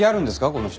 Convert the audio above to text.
この人。